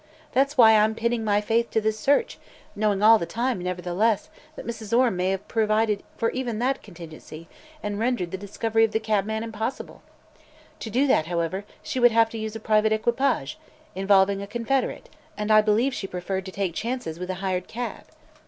That's why I am pinning my faith to this search, knowing all the time, nevertheless, that Mrs. Orme may have provided for even that contingency and rendered the discovery of the cabman impossible. To do that, however, she would have to use a private equipage, involving a confederate, and I believe she preferred to take chances with a hired cab."